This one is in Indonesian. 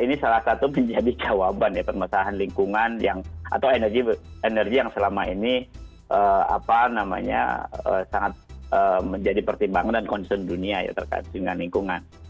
ini salah satu menjadi jawaban ya permasalahan lingkungan atau energi yang selama ini sangat menjadi pertimbangan dan concern dunia ya terkait dengan lingkungan